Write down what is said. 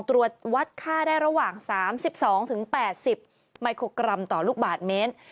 ตรวจวัดค่าได้ระหว่าง๓๒๘๐มิโครกรัมต่อลูกบาทเมตร